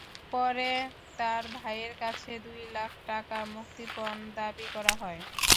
পরে তাঁর ভাইয়ের কাছে দুই লাখ টাকা মুক্তিপণ দাবি করা হয়।